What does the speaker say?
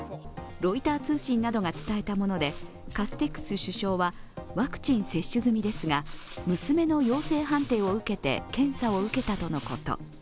ロイター通信などが伝えたもので、カステックス首相はワクチン接種済みですが娘の陽性判定を受けて検査を受けたとのこと。